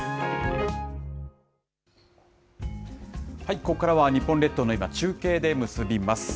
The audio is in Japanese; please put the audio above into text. ここからは日本列島の今、中継で結びます。